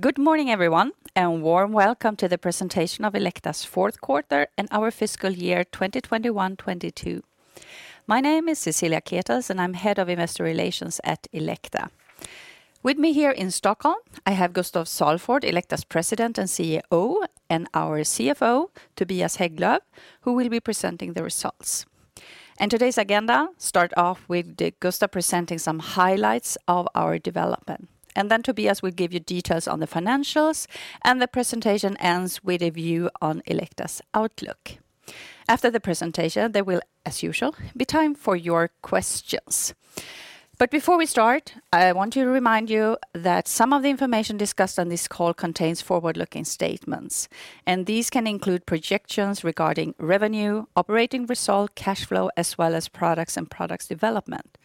Good morning, everyone, and warm welcome to the presentation of Elekta's fourth quarter and our fiscal year 2021/2022. My name is Cecilia Ketels, and I'm Head of Investor Relations at Elekta. With me here in Stockholm, I have Gustaf Salford, Elekta's President and CEO, and our CFO, Tobias Hägglöv, who will be presenting the results. Today's agenda starts off with Gustaf presenting some highlights of our development. Then Tobias will give you details on the financials, and the presentation ends with a view on Elekta's outlook. After the presentation, there will, as usual, be time for your questions. Before we start, I want to remind you that some of the information discussed on this call contains forward-looking statements, and these can include projections regarding revenue, operating result, cash flow, as well as products and product development.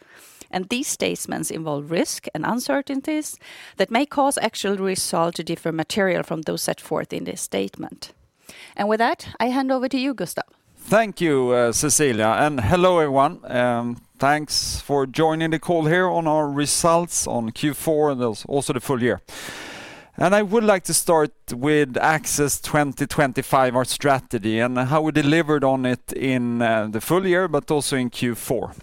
These statements involve risk and uncertainties that may cause actual results to differ materially from those set forth in this statement. With that, I hand over to you, Gustaf. Thank you, Cecilia, and hello, everyone. Thanks for joining the call here on our results on Q4 and also the full year. I would like to start with ACCESS 2025, our strategy, and how we delivered on it in the full year but also in Q4.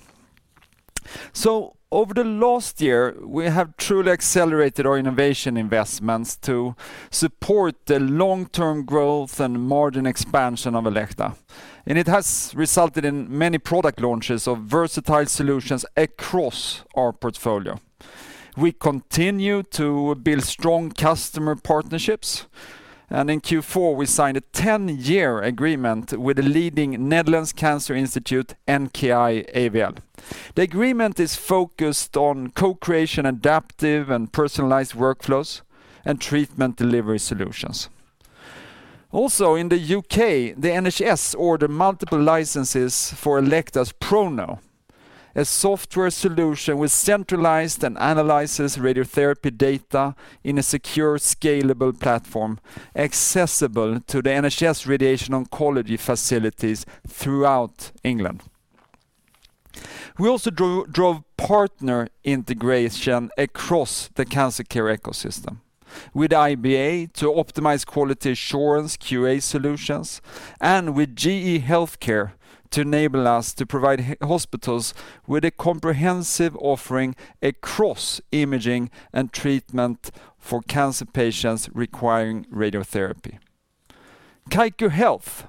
Over the last year, we have truly accelerated our innovation investments to support the long-term growth and margin expansion of Elekta. It has resulted in many product launches of versatile solutions across our portfolio. We continue to build strong customer partnerships, and in Q4, we signed a ten-year agreement with the leading Netherlands Cancer Institute, NKI-AVL. The agreement is focused on co-creation, adaptive, and personalized workflows and treatment delivery solutions. Also, in the UK, the NHS ordered multiple licenses for Elekta's ProKnow, a software solution which centralized and analyzes radiotherapy data in a secure, scalable platform accessible to the NHS radiation oncology facilities throughout England. We also drove partner integration across the cancer care ecosystem with IBA to optimize quality assurance, QA solutions, and with GE HealthCare to enable us to provide hospitals with a comprehensive offering across imaging and treatment for cancer patients requiring radiotherapy. Kaiku Health,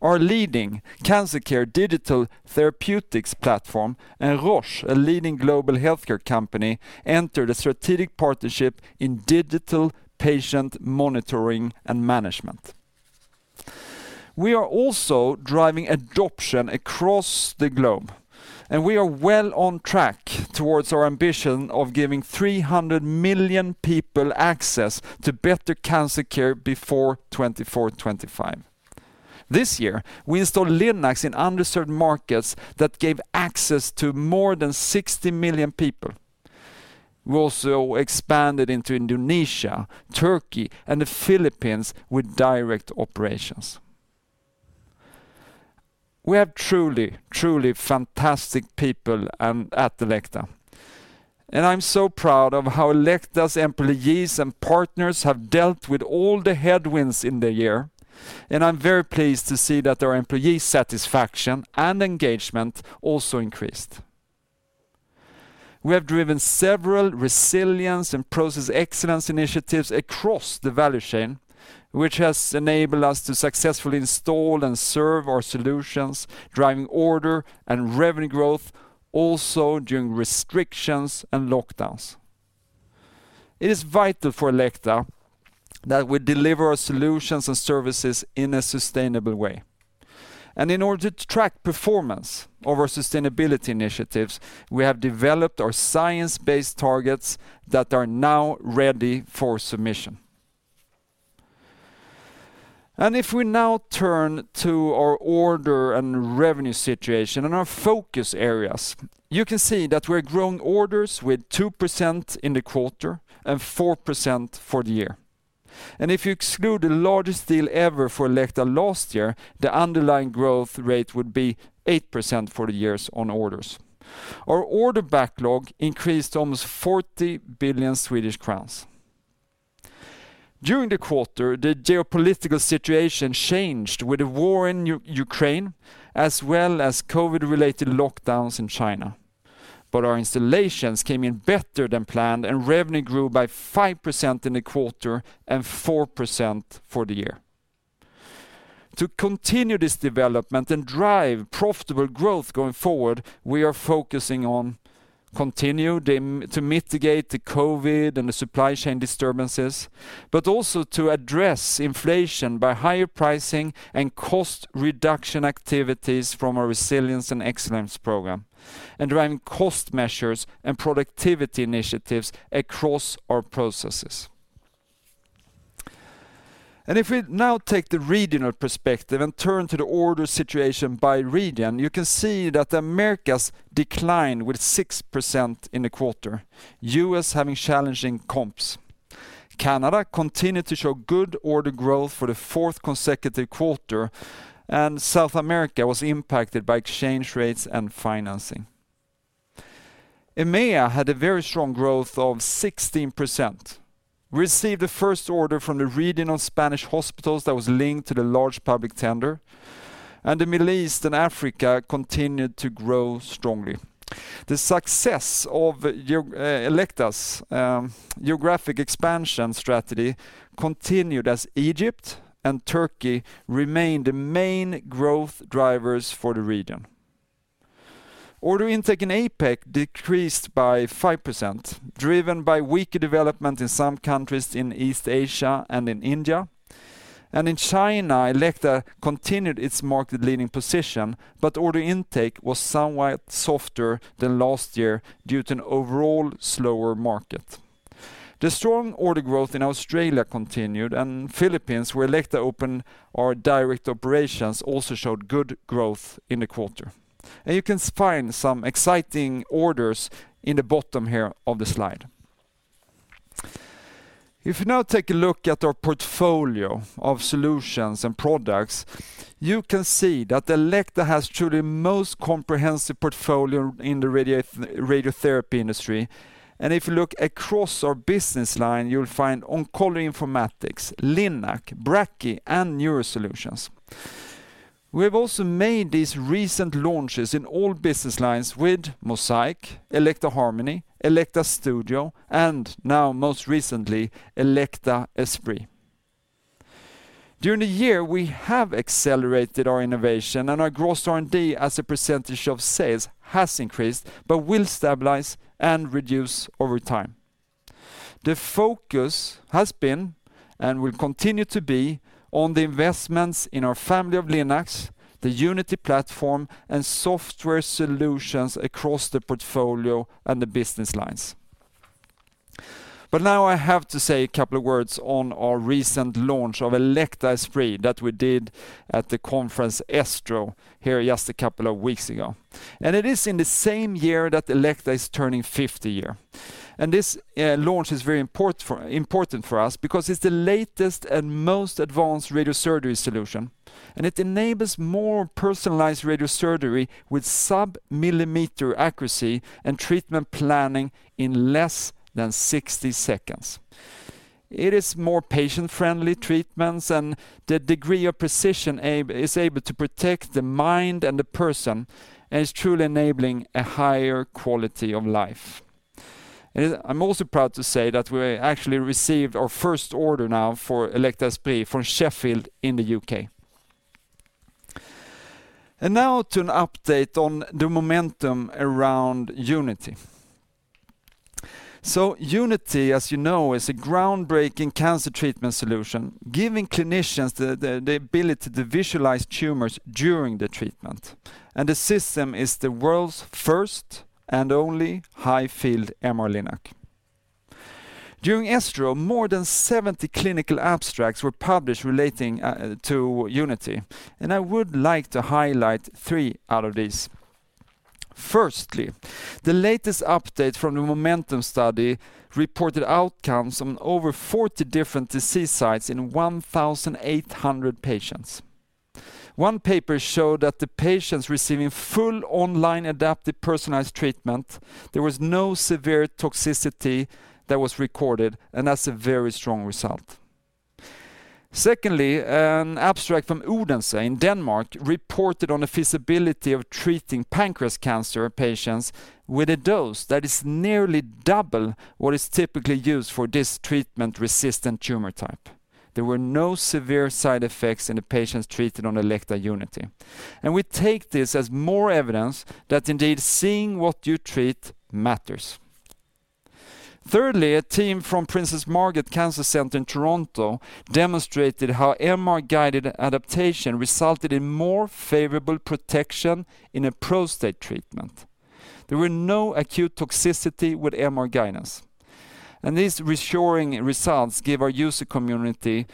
our leading cancer care digital therapeutics platform, and Roche, a leading global healthcare company, entered a strategic partnership in digital patient monitoring and management. We are also driving adoption across the globe, and we are well on track towards our ambition of giving 300 million people access to better cancer care before 2024-2025. This year, we installed Linacs in underserved markets that gave access to more than 60 million people. We also expanded into Indonesia, Turkey, and the Philippines with direct operations. We have truly fantastic people at Elekta, and I'm so proud of how Elekta's employees and partners have dealt with all the headwinds in the year, and I'm very pleased to see that our employee satisfaction and engagement also increased. We have driven several Resilience and Excellence initiatives across the value chain, which has enabled us to successfully install and serve our solutions, driving order and revenue growth also during restrictions and lockdowns. It is vital for Elekta that we deliver our solutions and services in a sustainable way. In order to track performance of our sustainability initiatives, we have developed our science-based targets that are now ready for submission. If we now turn to our order and revenue situation and our focus areas, you can see that we're growing orders with 2% in the quarter and 4% for the year. If you exclude the largest deal ever for Elekta last year, the underlying growth rate would be 8% for the years on orders. Our order backlog increased almost 40 billion Swedish crowns. During the quarter, the geopolitical situation changed with the war in Ukraine as well as COVID-related lockdowns in China. Our installations came in better than planned, and revenue grew by 5% in the quarter and 4% for the year. To continue this development and drive profitable growth going forward, we are focusing on to mitigate the COVID and the supply chain disturbances, but also to address inflation by higher pricing and cost reduction activities from our Resilience and Excellence Program, and driving cost measures and productivity initiatives across our processes. If we now take the regional perspective and turn to the order situation by region, you can see that the Americas declined with 6% in the quarter, U.S. having challenging comps. Canada continued to show good order growth for the fourth consecutive quarter, and South America was impacted by exchange rates and financing. EMEA had a very strong growth of 16%. We received the first order from the region on Spanish hospitals that was linked to the large public tender, and the Middle East and Africa continued to grow strongly. The success of Elekta's geographic expansion strategy continued as Egypt and Turkey remained the main growth drivers for the region. Order intake in APAC decreased by 5%, driven by weaker development in some countries in East Asia and in India. In China, Elekta continued its market-leading position, but order intake was somewhat softer than last year due to an overall slower market. The strong order growth in Australia continued, and Philippines, where Elekta opened our direct operations, also showed good growth in the quarter. You can find some exciting orders in the bottom here of the slide. If you now take a look at our portfolio of solutions and products, you can see that Elekta has truly the most comprehensive portfolio in the radiotherapy industry. If you look across our business line, you'll find oncology informatics, Linac, Brachy, and neuro solutions. We have also made these recent launches in all business lines with MOSAIQ, Elekta Harmony, Elekta Studio, and now most recently, Elekta Esprit. During the year, we have accelerated our innovation and our gross R&D as a percentage of sales has increased but will stabilize and reduce over time. The focus has been, and will continue to be, on the investments in our family of Linacs, the Unity platform, and software solutions across the portfolio and the business lines. Now I have to say a couple of words on our recent launch of Elekta Esprit that we did at the conference ESTRO here just a couple of weeks ago. It is in the same year that Elekta is turning 50 year. This launch is very important for us because it's the latest and most advanced radiosurgery solution, and it enables more personalized radiosurgery with sub-millimeter accuracy and treatment planning in less than 60 seconds. It is more patient-friendly treatments, and the degree of precision is able to protect the mind and the person and is truly enabling a higher quality of life. I'm also proud to say that we actually received our first order now for Elekta Esprit from Sheffield in the U.K. Now to an update on the momentum around Unity. Unity, as you know, is a groundbreaking cancer treatment solution, giving clinicians the ability to visualize tumors during the treatment. The system is the world's first and only high-field MR-Linac. During ESTRO, more than 70 clinical abstracts were published relating to Unity, and I would like to highlight three out of these. Firstly, the latest update from the MOMENTUM study reported outcomes on over 40 different disease sites in 1,800 patients. One paper showed that the patients receiving full online adaptive personalized treatment, there was no severe toxicity that was recorded, and that's a very strong result. Secondly, an abstract from Odense in Denmark reported on the feasibility of treating pancreatic cancer patients with a dose that is nearly double what is typically used for this treatment-resistant tumor type. There were no severe side effects in the patients treated on Elekta Unity. We take this as more evidence that indeed seeing what you treat matters. Thirdly, a team from Princess Margaret Cancer Centre in Toronto demonstrated how MR-guided adaptation resulted in more favorable protection in a prostate treatment. There were no acute toxicity with MR guidance. These reassuring results give our user community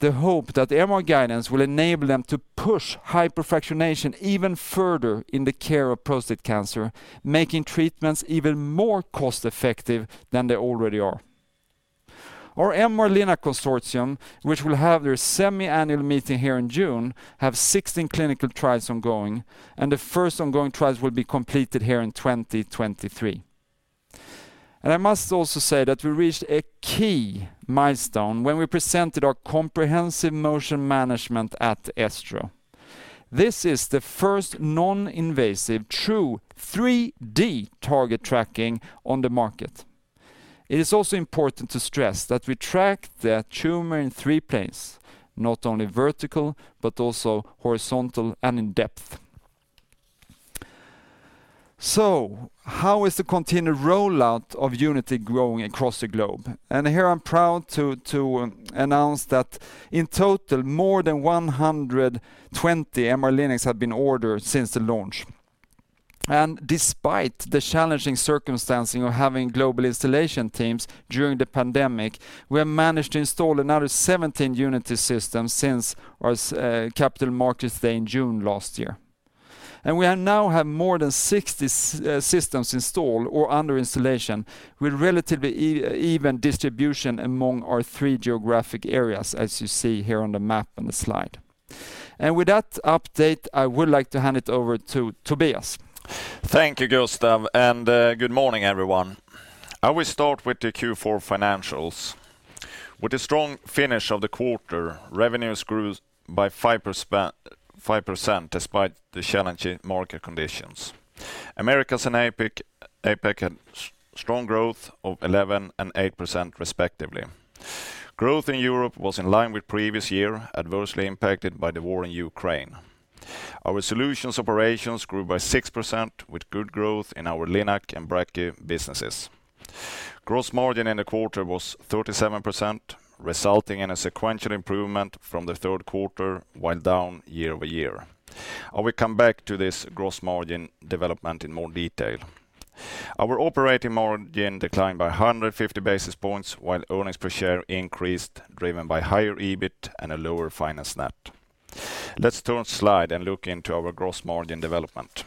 the hope that MR guidance will enable them to push hypofractionation even further in the care of prostate cancer, making treatments even more cost-effective than they already are. Our MR-Linac Consortium, which will have their semi-annual meeting here in June, have 16 clinical trials ongoing, and the first ongoing trials will be completed here in 2023. I must also say that we reached a key milestone when we presented our comprehensive motion management at ESTRO. This is the first non-invasive true 3D target tracking on the market. It is also important to stress that we track the tumor in three planes, not only vertical, but also horizontal and in depth. How is the continued rollout of Unity growing across the globe? Here I'm proud to announce that in total, more than 120 MR-Linacs have been ordered since the launch. Despite the challenging circumstances of having global installation teams during the pandemic, we have managed to install another 17 Unity systems since our Capital Markets Day in June last year. We now have more than 60 systems installed or under installation with relatively even distribution among our three geographic areas, as you see here on the map on the slide. With that update, I would like to hand it over to Tobias. Thank you, Gustav, and good morning, everyone. I will start with the Q4 financials. With a strong finish of the quarter, revenues grew by 5% despite the challenging market conditions. Americas and APAC had strong growth of 11% and 8% respectively. Growth in Europe was in line with previous year, adversely impacted by the war in Ukraine. Our solutions operations grew by 6% with good growth in our LINAC and Brachy businesses. Gross margin in the quarter was 37%, resulting in a sequential improvement from the third quarter while down year-over-year. I will come back to this gross margin development in more detail. Our operating margin declined by 150 basis points while earnings per share increased, driven by higher EBIT and a lower finance net. Let's turn to the slide and look into our gross margin development.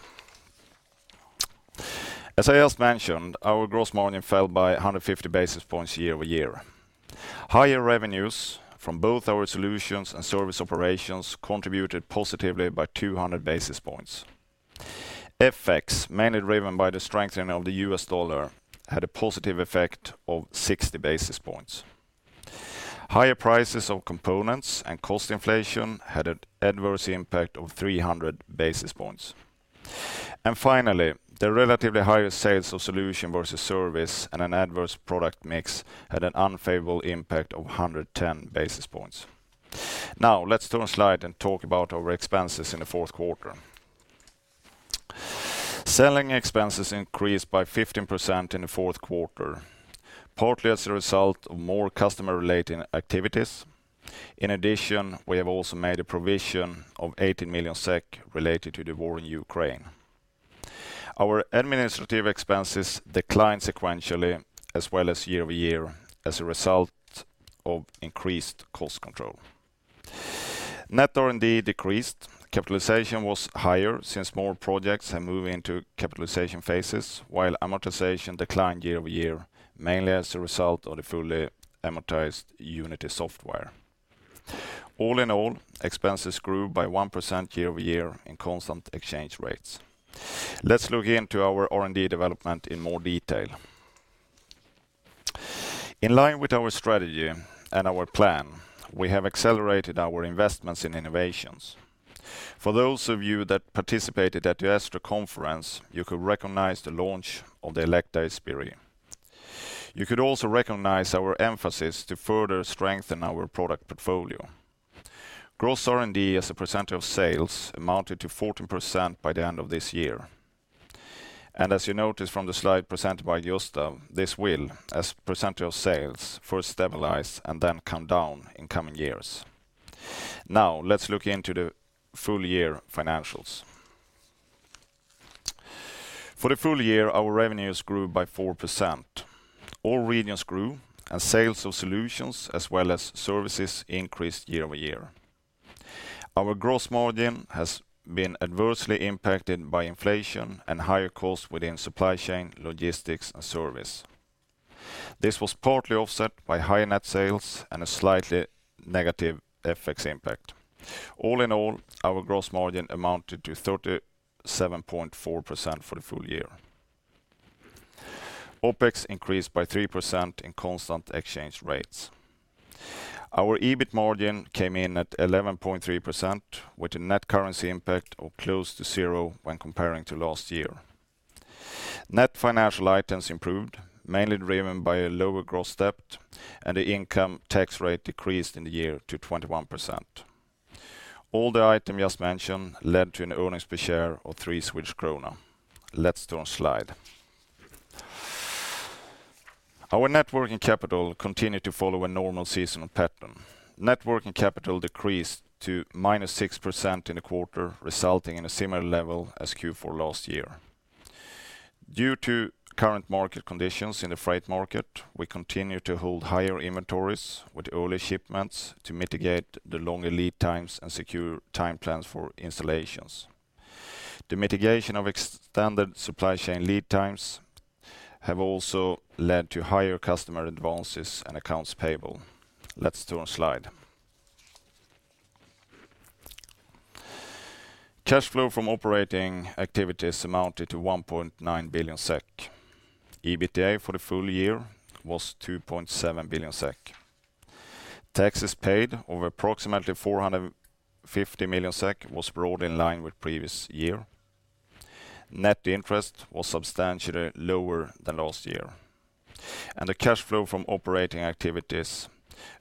As I just mentioned, our gross margin fell by 150 basis points year-over-year. Higher revenues from both our solutions and service operations contributed positively by 200 basis points. FX, mainly driven by the strengthening of the U.S. dollar, had a positive effect of 60 basis points. Higher prices of components and cost inflation had an adverse impact of 300 basis points. Finally, the relatively higher sales of solutions versus service and an adverse product mix had an unfavorable impact of 110 basis points. Now, let's turn to a slide and talk about our expenses in the fourth quarter. Selling expenses increased by 15% in the fourth quarter, partly as a result of more customer-related activities. In addition, we have also made a provision of 80 million SEK related to the war in Ukraine. Our administrative expenses declined sequentially as well as year-over-year as a result of increased cost control. Net R&D decreased. Capitalization was higher since more projects have moved into capitalization phases while amortization declined year-over-year, mainly as a result of the fully amortized Unity software. All in all, expenses grew by 1% year-over-year in constant exchange rates. Let's look into our R&D development in more detail. In line with our strategy and our plan, we have accelerated our investments in innovations. For those of you that participated at the ASTRO Conference, you could recognize the launch of the Elekta Esprit. You could also recognize our emphasis to further strengthen our product portfolio. Gross R&D as a percentage of sales amounted to 14% by the end of this year. As you notice from the slide presented by Gustaf, this will, as percentage of sales, first stabilize and then come down in coming years. Now, let's look into the full year financials. For the full year, our revenues grew by 4%. All regions grew, and sales of solutions, as well as services, increased year-over-year. Our gross margin has been adversely impacted by inflation and higher costs within supply chain, logistics, and service. This was partly offset by high net sales and a slightly negative FX impact. All in all, our gross margin amounted to 37.4% for the full year. OpEx increased by 3% in constant exchange rates. Our EBIT margin came in at 11.3%, with a net currency impact of close to zero when comparing to last year. Net financial items improved, mainly driven by a lower gross debt, and the income tax rate decreased in the year to 21%. All the items just mentioned led to an earnings per share of 3 Swedish krona. Let's turn a slide. Our net working capital continued to follow a normal seasonal pattern. Net working capital decreased to -6% in a quarter, resulting in a similar level as Q4 last year. Due to current market conditions in the freight market, we continue to hold higher inventories with early shipments to mitigate the longer lead times and secure time plans for installations. The mitigation of extended supply chain lead times have also led to higher customer advances and accounts payable. Let's turn a slide. Cash flow from operating activities amounted to 1.9 billion SEK. EBITDA for the full year was 2.7 billion SEK. Taxes paid of approximately 450 million SEK was broadly in line with previous year. Net interest was substantially lower than last year, and the cash flow from operating activities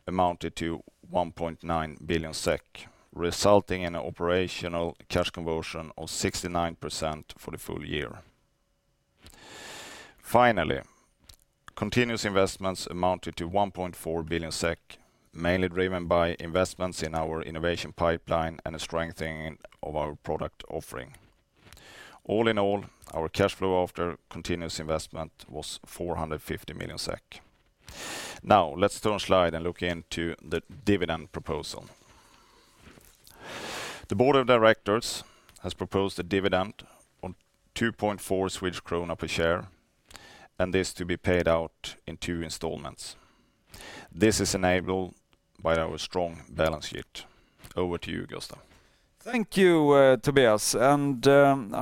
amounted to 1.9 billion SEK, resulting in operational cash conversion of 69% for the full year. Finally, continuous investments amounted to 1.4 billion SEK, mainly driven by investments in our innovation pipeline and a strengthening of our product offering. All in all, our cash flow after continuous investment was 450 million SEK. Now, let's turn a slide and look into the dividend proposal. The board of directors has proposed a dividend on 2.4 Swedish krona per share. This to be paid out in two installments. This is enabled by our strong balance sheet. Over to you, Gustaf. Thank you, Tobias. I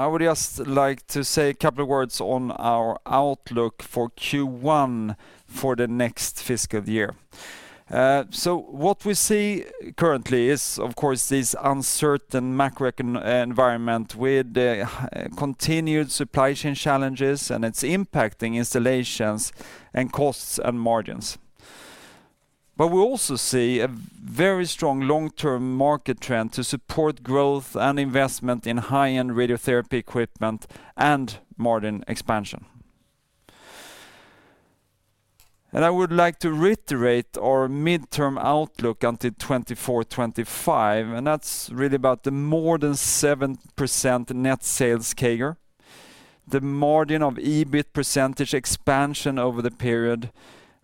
would just like to say a couple of words on our outlook for Q1 for the next fiscal year. What we see currently is, of course, this uncertain macroeconomic environment with the continued supply chain challenges, and it's impacting installations and costs and margins. We also see a very strong long-term market trend to support growth and investment in high-end radiotherapy equipment and margin expansion. I would like to reiterate our midterm outlook until 2024, 2025, and that's really about the more than 7% net sales CAGR, the margin of EBIT percentage expansion over the period.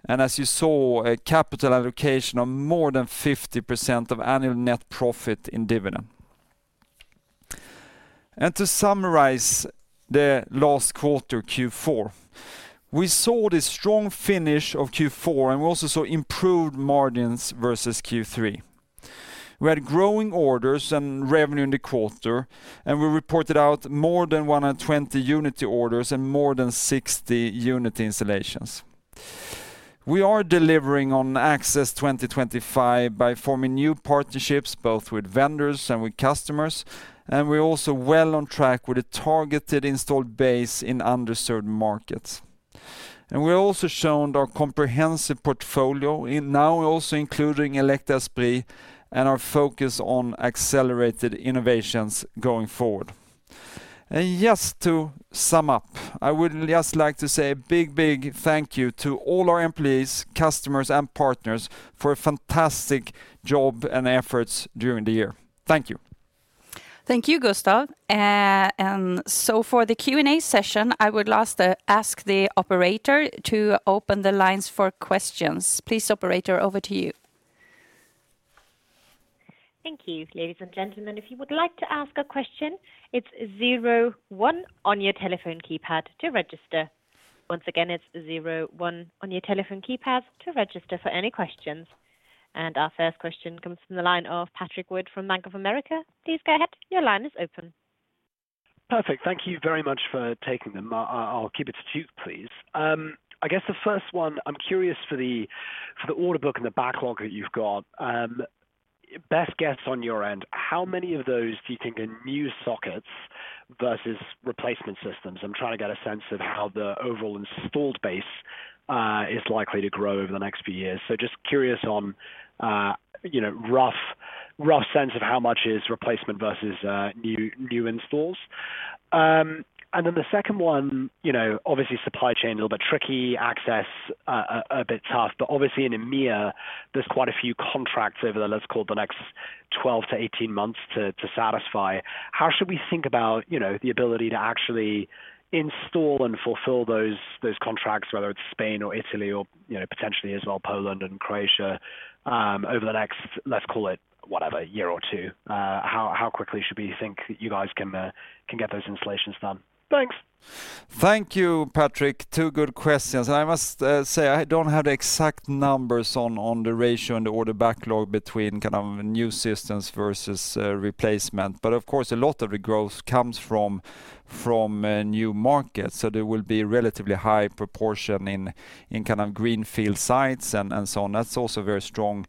As you saw, a capital allocation of more than 50% of annual net profit in dividend. To summarize the last quarter, Q4, we saw this strong finish of Q4, and we also saw improved margins versus Q3. We had growing orders and revenue in the quarter, and we reported out more than 120 Unity orders and more than 60 Unity installations. We are delivering on ACCESS 2025 by forming new partnerships both with vendors and with customers, and we're also well on track with a targeted installed base in underserved markets. We're also shown our comprehensive portfolio, and now also including Elekta Esprit and our focus on accelerated innovations going forward. Just to sum up, I would just like to say a big, big thank you to all our employees, customers, and partners for a fantastic job and efforts during the year. Thank you. Thank you, Gustaf. For the Q&A session, I would like to ask the operator to open the lines for questions. Please, operator, over to you. Thank you. Ladies and gentlemen, if you would like to ask a question, it's zero one on your telephone keypad to register. Once again, it's zero one on your telephone keypad to register for any questions. Our first question comes from the line of Patrick Wood from Bank of America. Please go ahead. Your line is open. Perfect. Thank you very much for taking them. I'll keep it to two, please. I guess the first one, I'm curious for the order book and the backlog that you've got, best guess on your end, how many of those do you think are new sockets versus replacement systems? I'm trying to get a sense of how the overall installed base is likely to grow over the next few years. So just curious on, you know, rough sense of how much is replacement versus new installs. And then the second one, you know, obviously supply chain a little bit tricky, access a bit tough, but obviously in EMEA, there's quite a few contracts over the, let's call it, the next 12 to 18 months to satisfy. How should we think about, you know, the ability to actually install and fulfill those contracts, whether it's Spain or Italy or, you know, potentially as well Poland and Croatia, over the next, let's call it, whatever, year or two? How quickly should we think you guys can get those installations done? Thanks. Thank you, Patrick. Two good questions. I must say I don't have the exact numbers on the ratio and the order backlog between kind of new systems versus replacement. Of course, a lot of the growth comes from new markets. There will be relatively high proportion in kind of greenfield sites and so on. That's also a very strong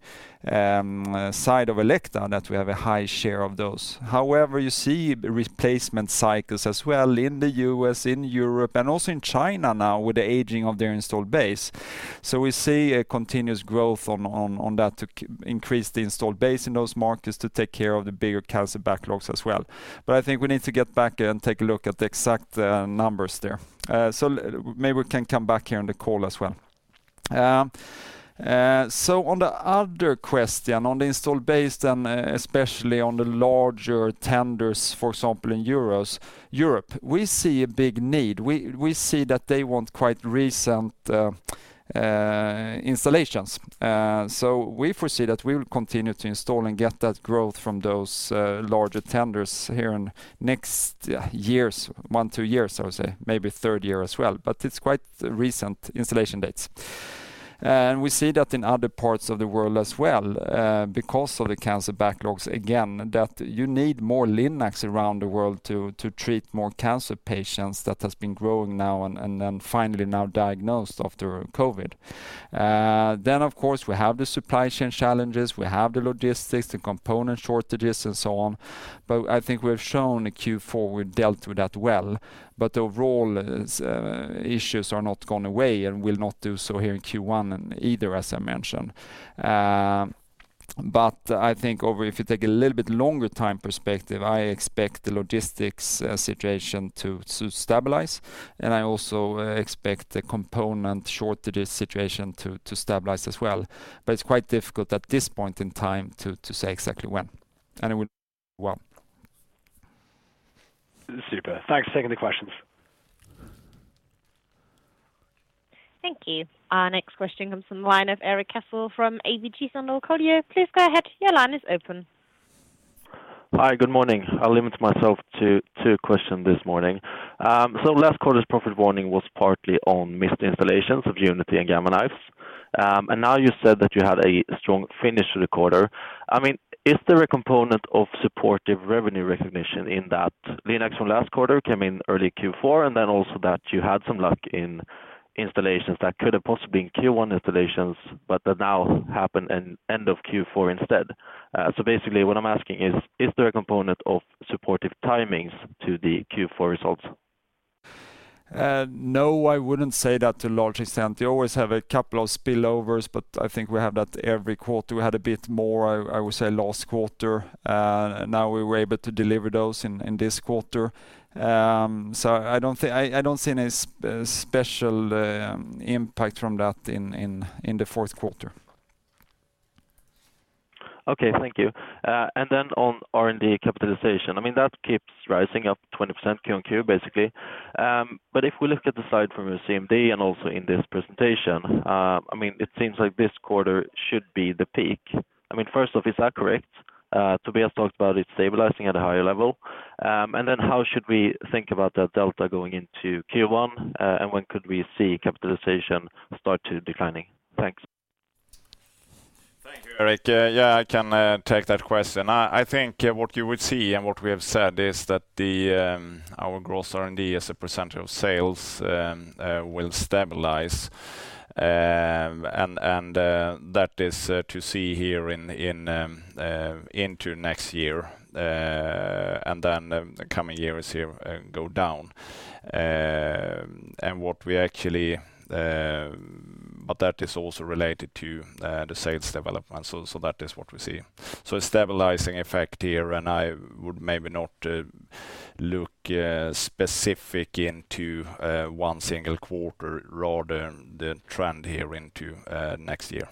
side of Elekta that we have a high share of those. However, you see the replacement cycles as well in the U.S., in Europe, and also in China now with the aging of their installed base. We see a continuous growth on that to increase the installed base in those markets to take care of the bigger cancer backlogs as well. I think we need to get back and take a look at the exact numbers there. Maybe we can come back here on the call as well. On the other question, on the install base, then especially on the larger tenders, for example, in Europe, we see a big need. We see that they want quite recent installations. We foresee that we will continue to install and get that growth from those larger tenders here in next years, one, two years, I would say, maybe third year as well. It's quite recent installation dates. We see that in other parts of the world as well, because of the cancer backlogs, again, that you need more Linacs around the world to treat more cancer patients that has been growing now and finally now diagnosed after COVID. Of course, we have the supply chain challenges, we have the logistics, the component shortages and so on. I think we've shown in Q4 we've dealt with that well. Overall, issues are not gone away and will not do so here in Q1 and either, as I mentioned. I think if you take a little bit longer time perspective, I expect the logistics situation to stabilize, and I also expect the component shortages situation to stabilize as well. It's quite difficult at this point in time to say exactly when. It would well. Super. Thanks for taking the questions. Thank you. Our next question comes from the line of Erik Cassel from ABG Sundal Collier. Please go ahead. Your line is open. Hi, good morning. I'll limit myself to two questions this morning. Last quarter's profit warning was partly on missed installations of Unity and Gamma Knife. Now you said that you had a strong finish to the quarter. I mean, is there a component of supportive revenue recognition in that Linacs from last quarter came in early Q4, and then also that you had some luck in installations that could have possibly been Q1 installations, but that now happen in end of Q4 instead? Basically what I'm asking is there a component of supportive timings to the Q4 results? No, I wouldn't say that to a large extent. You always have a couple of spillovers, but I think we have that every quarter. We had a bit more, I would say last quarter. Now we were able to deliver those in this quarter. I don't think. I don't see any special impact from that in the fourth quarter. Okay. Thank you. And then on R&D capitalization, I mean that keeps rising up 20% Q-on-Q, basically. But if we look at the slide from a CMD and also in this presentation, I mean, it seems like this quarter should be the peak. I mean, first off, is that correct? Tobias talked about it stabilizing at a higher level. And then how should we think about that delta going into Q1, and when could we see capitalization start to declining? Thanks. Thank you, Erik Cassel. Yeah, I can take that question. I think what you would see and what we have said is that our gross R&D as a percentage of sales will stabilize. That is to be seen here into next year and then the coming years here go down. That is also related to the sales development. That is what we see. A stabilizing effect here, and I would maybe not look specifically into one single quarter, rather the trend here into next year.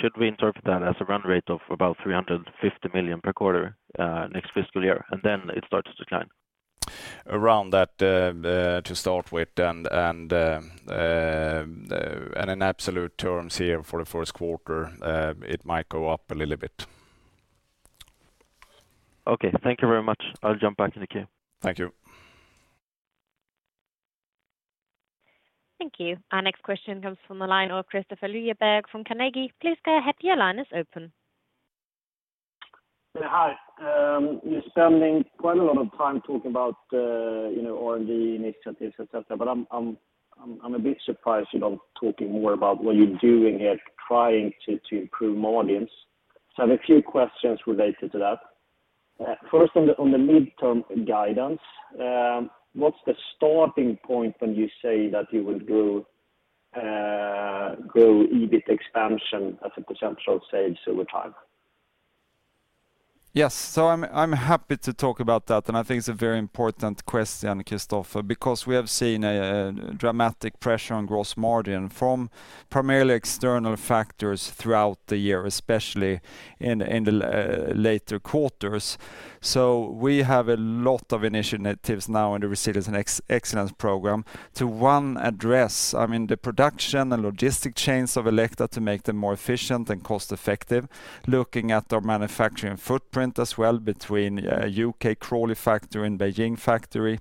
Should we interpret that as a run rate of about 350 million per quarter, next fiscal year, and then it starts to decline? Around that, to start with, and in absolute terms here for the first quarter, it might go up a little bit. Okay. Thank you very much. I'll jump back in the queue. Thank you. Thank you. Our next question comes from the line of Kristofer Liljeberg from Carnegie. Please go ahead. Your line is open. Yeah. Hi. You're spending quite a lot of time talking about, you know, R&D initiatives, et cetera. I'm a bit surprised you're not talking more about what you're doing here, trying to improve margins. I have a few questions related to that. First on the mid-term guidance, what's the starting point when you say that you will grow EBIT expansion as a percentage of sales over time? Yes. I'm happy to talk about that, and I think it's a very important question, Kristofer Liljeberg, because we have seen a dramatic pressure on gross margin from primarily external factors throughout the year, especially in the later quarters. We have a lot of initiatives now under Resilience and Excellence Program to address, I mean, the production and logistic chains of Elekta to make them more efficient and cost effective. Looking at our manufacturing footprint as well between U.K. Crawley factory and Beijing factory.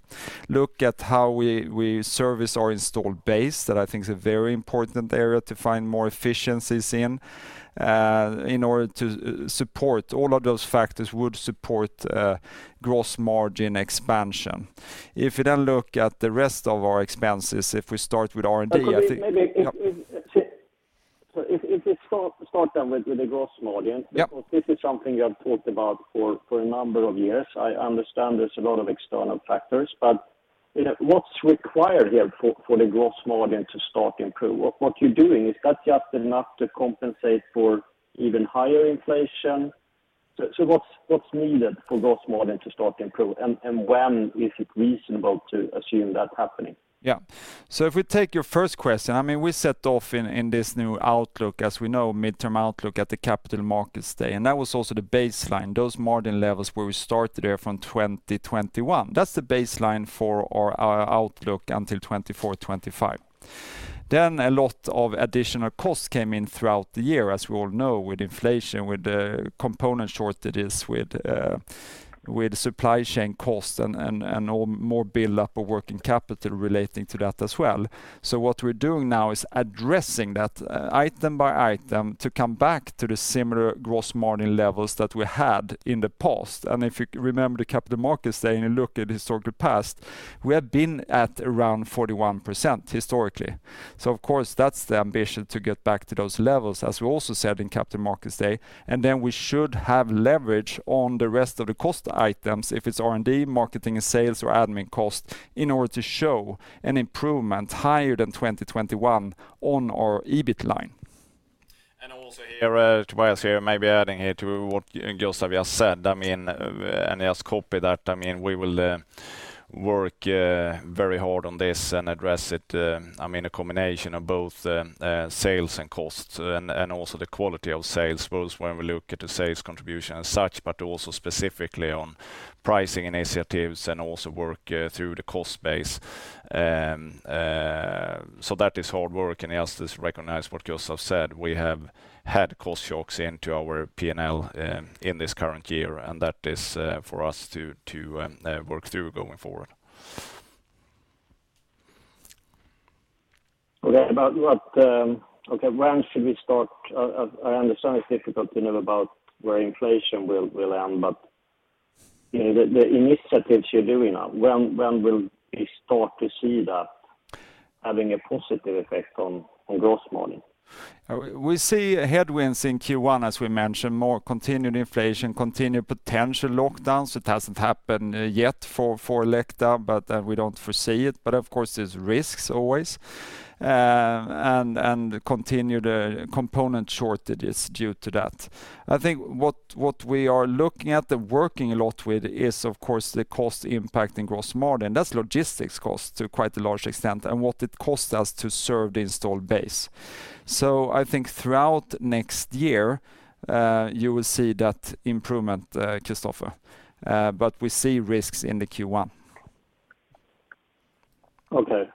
Look at how we service our installed base, that I think is a very important area to find more efficiencies in in order to support. All of those factors would support gross margin expansion. If you then look at the rest of our expenses, if we start with R&D, I think. Could we maybe? Yeah If you start then with the gross margin. Yeah Because this is something you have talked about for a number of years. I understand there's a lot of external factors, but you know, what's required here for the gross margin to start improve? What you're doing, is that just enough to compensate for even higher inflation? What's needed for gross margin to start improve? When is it reasonable to assume that's happening? If we take your first question, I mean, we set off in this new outlook, as we know, midterm outlook at the Capital Markets Day, and that was also the baseline, those margin levels where we started there from 2021. That's the baseline for our outlook until 2024-2025. A lot of additional costs came in throughout the year, as we all know, with inflation, with the component shortages, with supply chain costs and all the more buildup of working capital relating to that as well. What we're doing now is addressing that item by item to come back to the similar gross margin levels that we had in the past. If you remember the Capital Markets Day, and you look at the historical past, we have been at around 41% historically. Of course, that's the ambition to get back to those levels, as we also said in Capital Markets Day. Then we should have leverage on the rest of the cost items if it's R&D, marketing, sales, or admin cost in order to show an improvement higher than 2021 on our EBIT line. Also here, Tobias Hägglöv here, maybe adding here to what Gustaf Salford just said. I mean, yes, copy that. I mean, we will work very hard on this and address it. I mean, a combination of both, sales and costs and also the quality of sales, both when we look at the sales contribution as such, but also specifically on pricing initiatives and also work through the cost base. That is hard work, and yes, let's recognize what Gustaf Salford said. We have had cost shocks into our P&L in this current year, and that is for us to work through going forward. Okay. About what, okay, when should we start? I understand it's difficult to know about where inflation will end, but you know, the initiatives you're doing now, when will we start to see that having a positive effect on gross margin? We see headwinds in Q1, as we mentioned, more continued inflation, continued potential lockdowns. It hasn't happened yet for Elekta, but we don't foresee it. Of course, there's risks always. And continued component shortages due to that. I think what we are looking at and we're working a lot with is of course the cost impact in gross margin. That's logistics cost to quite a large extent, and what it costs us to serve the installed base. I think throughout next year, you will see that improvement, Kristofer, but we see risks in the Q1. Okay.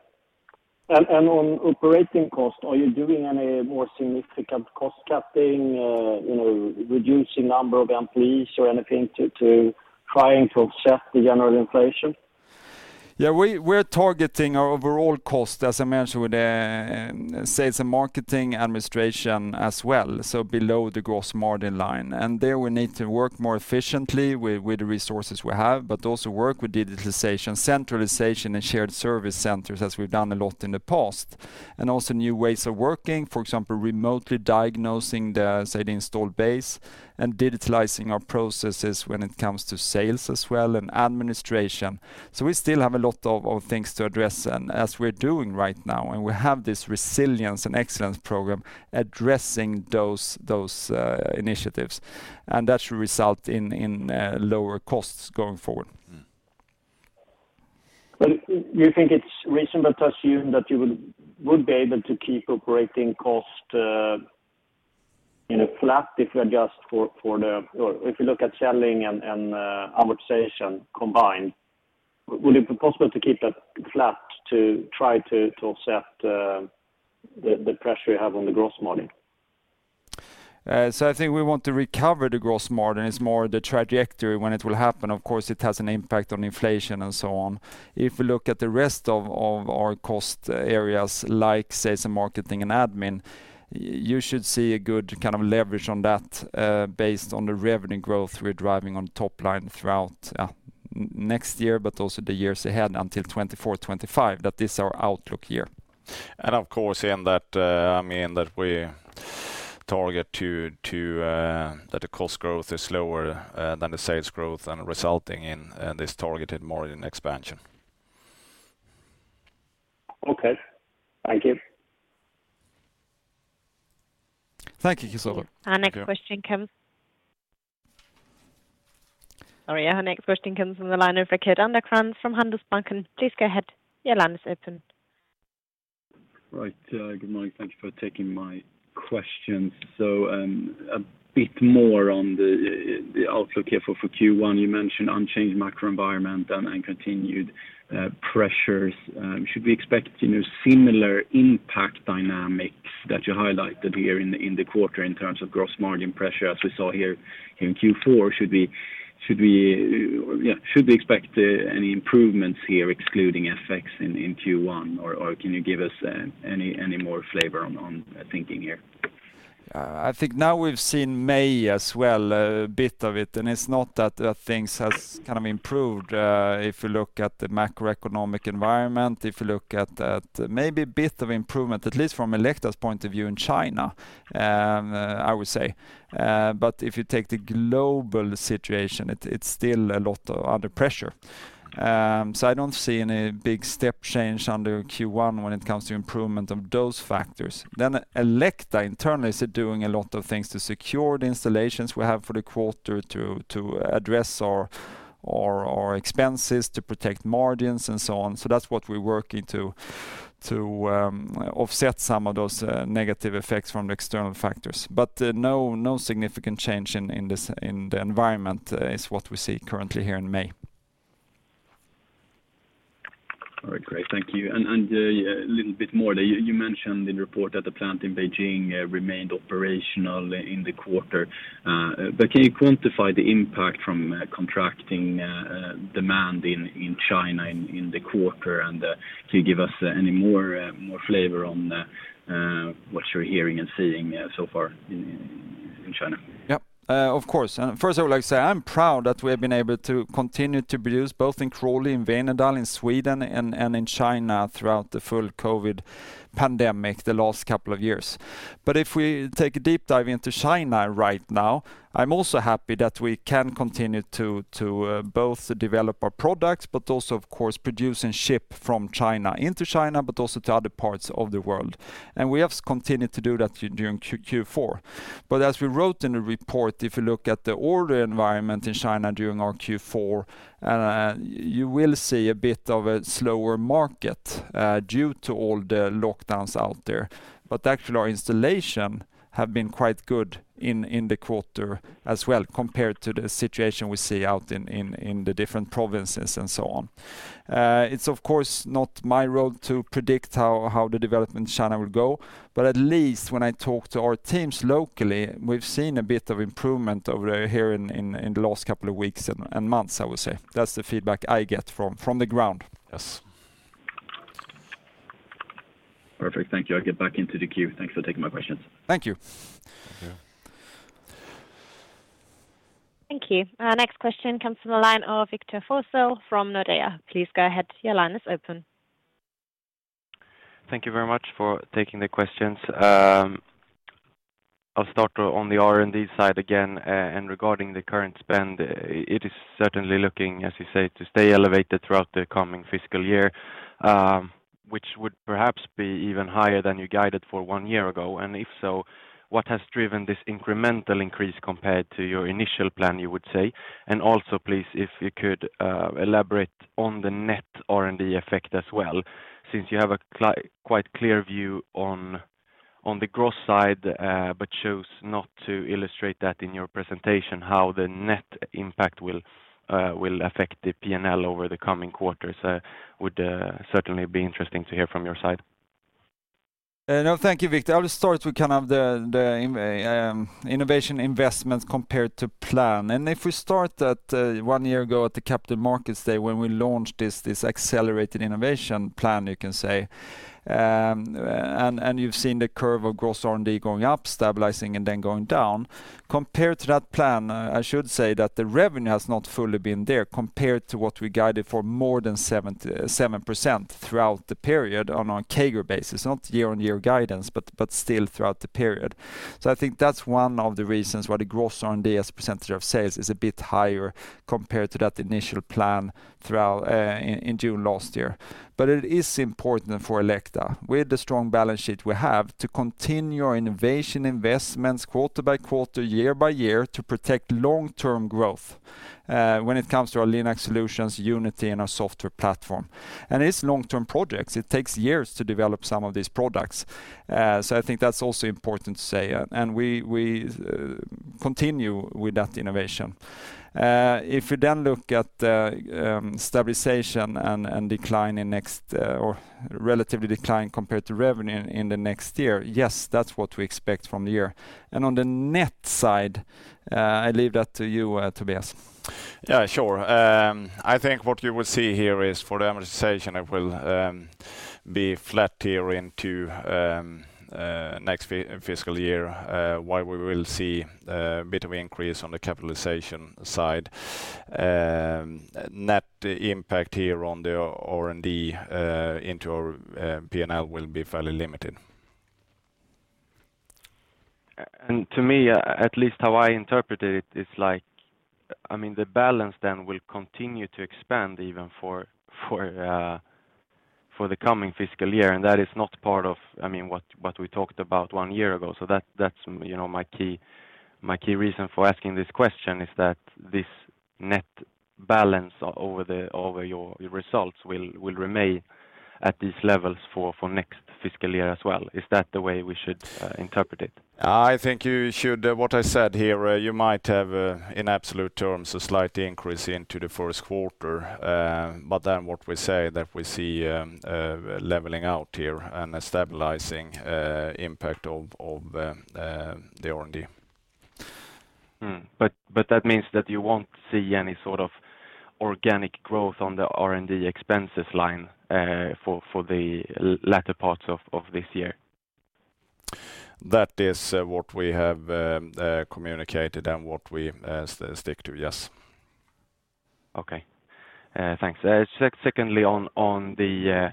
On operating cost, are you doing any more significant cost cutting, you know, reducing number of employees or anything to trying to offset the general inflation? We're targeting our overall cost, as I mentioned, with sales and marketing administration as well, so below the gross margin line. There we need to work more efficiently with the resources we have, but also work with digitalization, centralization, and shared service centers as we've done a lot in the past. Also new ways of working, for example, remotely diagnosing, say, the installed base and digitalizing our processes when it comes to sales as well and administration. We still have a lot of things to address, and as we're doing right now, and we have this Resilience and Excellence Program addressing those initiatives. That should result in lower costs going forward. Well, you think it's reasonable to assume that you would be able to keep operating cost, you know, flat if you adjust for the, or if you look at selling and amortization combined, would it be possible to keep that flat to try to offset the pressure you have on the gross margin? I think we want to recover the gross margin. It's more the trajectory when it will happen. Of course, it has an impact on inflation and so on. If we look at the rest of our cost areas like sales and marketing and admin, you should see a good kind of leverage on that, based on the revenue growth we're driving on top line throughout next year, but also the years ahead until 2024, 2025, that's our outlook year. Of course, in that, I mean, that we target to that the cost growth is slower than the sales growth and resulting in this targeted margin expansion. Okay. Thank you. Thank you, Kristofer. Our next question comes from the line of Rickard Anderkrans from Handelsbanken. Please go ahead. Your line is open. Right. Good morning. Thank you for taking my questions. A bit more on the outlook here for Q1. You mentioned unchanged macro environment and continued pressures. Should we expect, you know, similar impact dynamics that you highlighted here in the quarter in terms of gross margin pressure as we saw here in Q4? Should we expect any improvements here excluding FX in Q1, or can you give us any more flavor on thinking here? I think now we've seen May as well, a bit of it, and it's not that things has kind of improved. If you look at the macroeconomic environment, if you look at maybe a bit of improvement, at least from Elekta's point of view in China, I would say. If you take the global situation, it's still a lot under pressure. I don't see any big step change under Q1 when it comes to improvement of those factors. Elekta internally is doing a lot of things to secure the installations we have for the quarter to address our expenses, to protect margins and so on. That's what we're working to offset some of those negative effects from the external factors. No significant change in this, in the environment is what we see currently here in May. All right. Great. Thank you. Yeah, a little bit more. You mentioned in the report that the plant in Beijing remained operational in the quarter. Can you quantify the impact from contracting demand in China in the quarter? Can you give us any more flavor on what you're hearing and seeing so far in China? Yeah. Of course. First of all, I'd like to say I'm proud that we have been able to continue to produce both in Crawley, in Veenendaal, in Sweden and in China throughout the full COVID pandemic the last couple of years. If we take a deep dive into China right now, I'm also happy that we can continue to both develop our products but also of course produce and ship from China into China, but also to other parts of the world. We have continued to do that during Q4. As we wrote in the report, if you look at the order environment in China during our Q4, you will see a bit of a slower market due to all the lockdowns out there. Actually our installation have been quite good in the quarter as well compared to the situation we see out in the different provinces and so on. It's of course not my role to predict how the development in China will go. At least when I talk to our teams locally, we've seen a bit of improvement over here in the last couple of weeks and months, I would say. That's the feedback I get from the ground. Yes. Perfect. Thank you. I'll get back into the queue. Thanks for taking my questions. Thank you. Thank you. Thank you. Our 4next question comes from the line of Victor Pehrsson from Nordea. Please go ahead. Your line is open. Thank you very much for taking the questions. I'll start on the R&D side again, and regarding the current spend, it is certainly looking, as you say, to stay elevated throughout the coming fiscal year, which would perhaps be even higher than you guided for one year ago. If so, what has driven this incremental increase compared to your initial plan, you would say? Please, if you could, elaborate on the net R&D effect as well, since you have a quite clear view on the growth side, but chose not to illustrate that in your presentation, how the net impact will affect the P&L over the coming quarters. Would certainly be interesting to hear from your side. No, thank you, Victor. I will start with kind of innovation investments compared to plan. If we start at one year ago at the Capital Markets Day when we launched this accelerated innovation plan, you can say you've seen the curve of gross R&D going up, stabilizing, and then going down. Compared to that plan, I should say that the revenue has not fully been there compared to what we guided for more than 77% throughout the period on a CAGR basis, not year-on-year guidance, but still throughout the period. I think that's one of the reasons why the gross R&D as a percentage of sales is a bit higher compared to that initial plan throughout in June last year. It is important for Elekta. With the strong balance sheet we have to continue our innovation investments quarter by quarter, year by year to protect long-term growth, when it comes to our LINAC solutions, Unity, and our software platform. It's long-term projects. It takes years to develop some of these products. So I think that's also important to say. We continue with that innovation. If we then look at the stabilization and decline in net, or relative decline compared to revenue in the next year, yes, that's what we expect from the year. On the net side, I leave that to you, Tobias. Yeah, sure. I think what you will see here is for the amortization, it will be flat here into next fiscal year, while we will see a bit of increase on the capitalization side. Net impact here on the R&D into our P&L will be fairly limited. To me, at least how I interpreted it's like, I mean, the balance then will continue to expand even for the coming fiscal year. That is not part of, I mean, what we talked about one year ago. That's, you know, my key reason for asking this question is that this net balance over your results will remain at these levels for next fiscal year as well. Is that the way we should interpret it? I think what I said here you might have in absolute terms a slight increase into the first quarter. What we say that we see leveling out here and a stabilizing impact of the R&D. That means that you won't see any sort of organic growth on the R&D expenses line, for the latter parts of this year? That is what we have communicated and what we stick to. Yes. Okay. Thanks. Secondly, on the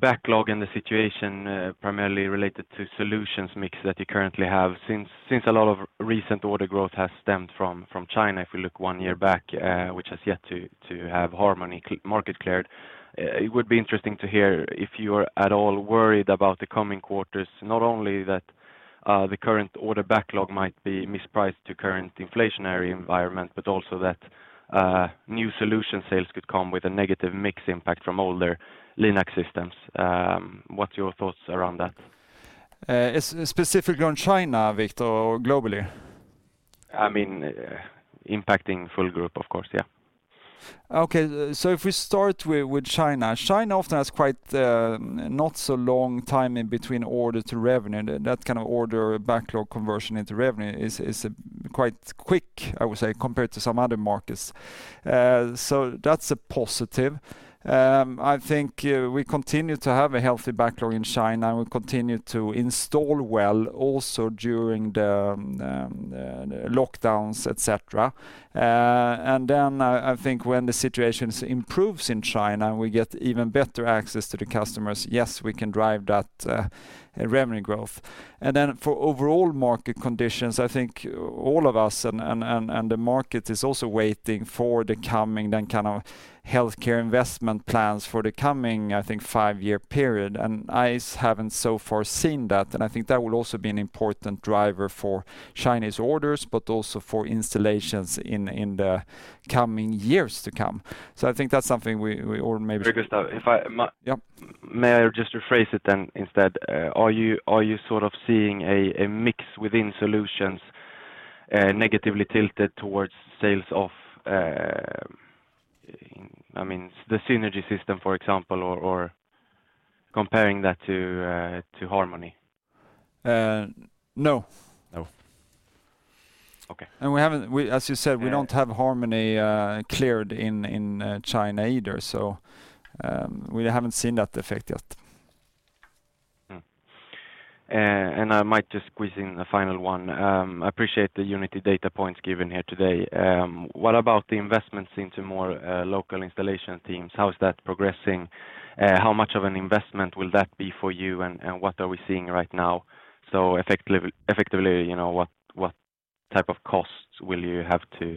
backlog and the situation primarily related to solutions mix that you currently have. Since a lot of recent order growth has stemmed from China, if we look one year back, which has yet to have Harmony China market cleared, it would be interesting to hear if you are at all worried about the coming quarters, not only that the current order backlog might be mispriced to current inflationary environment, but also that new solution sales could come with a negative mix impact from older Linac systems. What's your thoughts around that? Specific on China, Victor, or globally? I mean, impacting full group, of course. Yeah. Okay. If we start with China. China often has quite not so long time in between order to revenue. That kind of order backlog conversion into revenue is quite quick, I would say, compared to some other markets. That's a positive. I think we continue to have a healthy backlog in China. We continue to install well also during the lockdowns, et cetera. Then I think when the situation improves in China and we get even better access to the customers, yes, we can drive that revenue growth. For overall market conditions, I think all of us and the market is also waiting for the coming then kind of healthcare investment plans for the coming five-year period. I haven't so far seen that. I think that will also be an important driver for Chinese orders, but also for installations in the coming years to come. I think that's something we all maybe- Hey, Gustaf. Yeah. May I just rephrase it then instead? Are you sort of seeing a mix within solutions, negatively tilted towards sales of, I mean, the Synergy system, for example, or comparing that to Harmony? No. No. We haven't, as you said, we don't have Harmony cleared in China either, so we haven't seen that effect yet. I might just squeeze in a final one. Appreciate the Unity data points given here today. What about the investments into more local installation teams? How is that progressing? How much of an investment will that be for you, and what are we seeing right now? Effectively, you know, what type of costs will you have to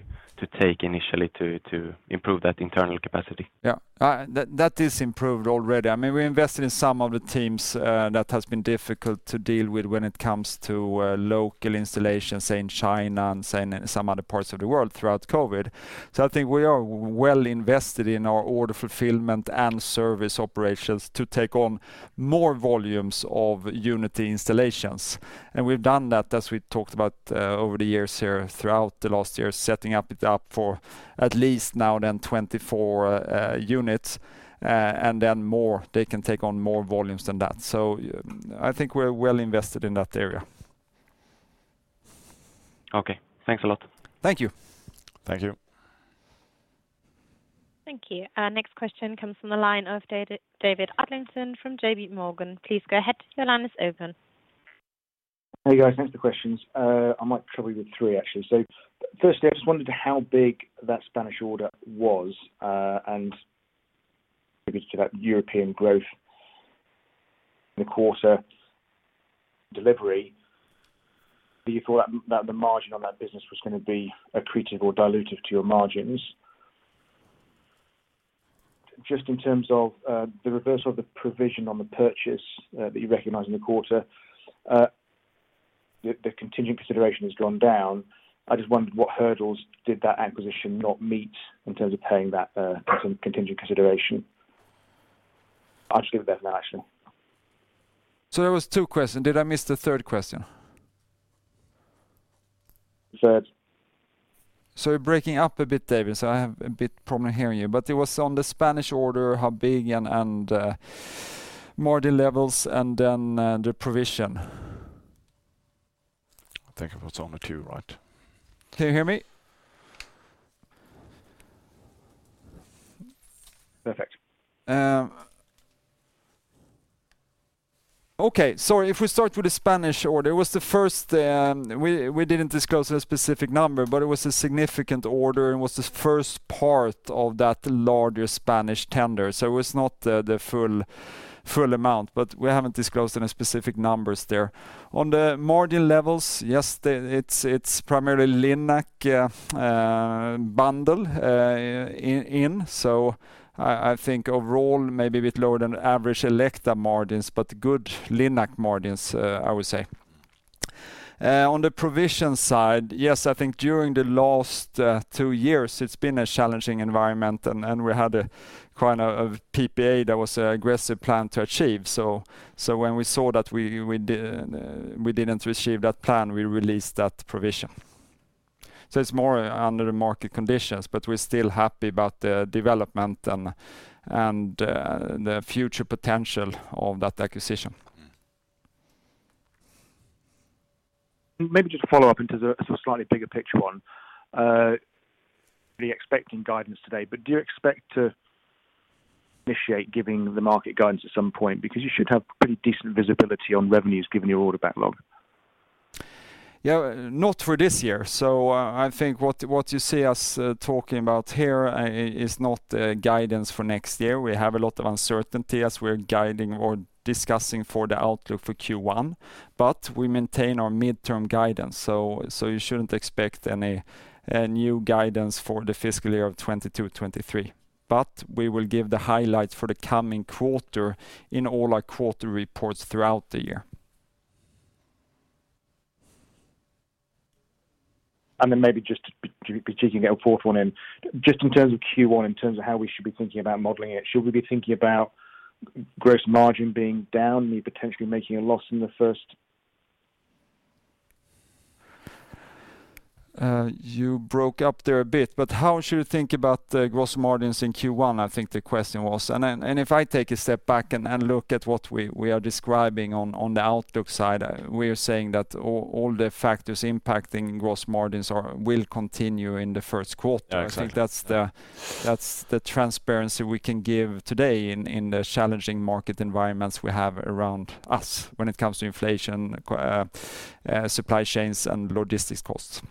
take initially to improve that internal capacity? Yeah. That is improved already. I mean, we invested in some of the teams that has been difficult to deal with when it comes to local installations in China and, say, in some other parts of the world throughout COVID. I think we are well invested in our order fulfillment and service operations to take on more volumes of Unity installations. We've done that, as we talked about, over the years here, throughout the last year, setting it up for at least now then 24 units, and then more. They can take on more volumes than that. I think we're well invested in that area. Okay. Thanks a lot. Thank you. Thank you. Thank you. Our next question comes from the line of David Adlington from JPMorgan. Please go ahead, your line is open. Hey, guys. Thanks for the questions. I might trouble you with three, actually. Firstly, I just wondered how big that Spanish order was, and if it's to that European growth in the quarter delivery. Do you feel like that the margin on that business was gonna be accretive or dilutive to your margins? Just in terms of the reversal of the provision on the purchase that you recognized in the quarter, the contingent consideration has gone down. I just wondered what hurdles did that acquisition not meet in terms of paying that contingent consideration. I'll just leave it there for now, actually. There was two questions. Did I miss the third question? Sorry. Sorry, breaking up a bit, David, so I have a bit of a problem hearing you. It was on the Spanish order, how big and margin levels and then the provision. I think it was only two, right? Can you hear me? Perfect. Okay. If we start with the Spanish order, it was the first. We didn't discuss a specific number, but it was a significant order, and it was the first part of that larger Spanish tender. It's not the full amount, but we haven't disclosed any specific numbers there. On the margin levels, yes, it's primarily Linac bundle in, so I think overall maybe a bit lower than average Elekta margins, but good Linac margins, I would say. On the provision side, yes, I think during the last two years, it's been a challenging environment and we had a kind of PPA that was an aggressive plan to achieve. When we saw that we didn't achieve that plan, we released that provision. It's more under the market conditions, but we're still happy about the development and the future potential of that acquisition. Maybe just to follow up into the slightly bigger picture one. Really expecting guidance today, but do you expect to initiate giving the market guidance at some point? Because you should have pretty decent visibility on revenues given your order backlog. Yeah. Not for this year. I think what you see us talking about here is not a guidance for next year. We have a lot of uncertainty as we're guiding or discussing for the outlook for Q1, but we maintain our mid-term guidance. You shouldn't expect any new guidance for the fiscal year of 2022-2023. We will give the highlights for the coming quarter in all our quarter reports throughout the year. Maybe just to be cheeky and get a fourth one in. Just in terms of Q1, in terms of how we should be thinking about modeling it, should we be thinking about gross margin being down, you potentially making a loss in the first- You broke up there a bit. How should we think about the gross margins in Q1? I think the question was. If I take a step back and look at what we are describing on the outlook side, we're saying that all the factors impacting gross margins are will continue in the first quarter. Yeah, exactly. I think that's the transparency we can give today in the challenging market environments we have around us when it comes to inflation, supply chains and logistics costs.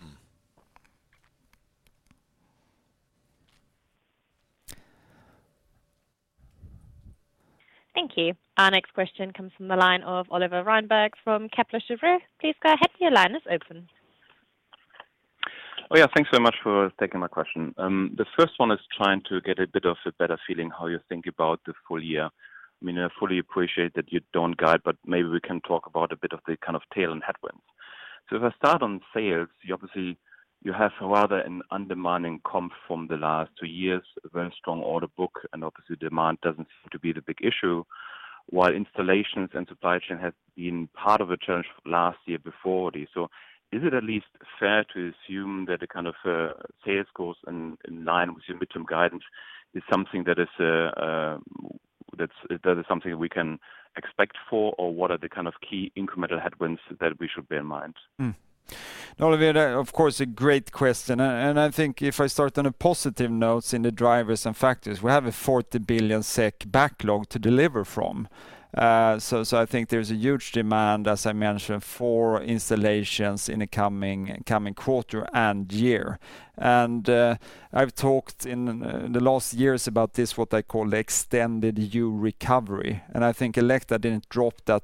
Thank you. Our next question comes from the line of Oliver Reinberg from Kepler Cheuvreux. Please go ahead, your line is open. Oh, yeah. Thanks so much for taking my question. The first one is trying to get a bit of a better feeling how you think about the full year. I mean, I fully appreciate that you don't guide, but maybe we can talk about a bit of the kind of tail and headwinds. If I start on sales, you obviously, you have rather an undemanding comp from the last two years, a very strong order book, and obviously demand doesn't seem to be the big issue, while installations and supply chain has been part of a challenge last year before this. Is it at least fair to assume that the kind of sales goals in line with your mid-term guidance is something we can expect for, or what are the kind of key incremental headwinds that we should bear in mind? No, Oliver, of course, a great question. I think if I start on a positive note in the drivers and factors, we have a 40 billion SEK backlog to deliver from. I think there's a huge demand, as I mentioned, for installations in the coming quarter and year. I've talked in the last years about this, what I call the extended U-recovery. I think Elekta didn't drop that